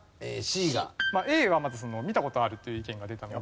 Ａは見た事あるという意見が出たので。